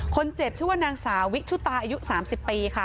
คนเจ็บชื่อว่านางสาวิชุตาอายุ๓๐ปีค่ะ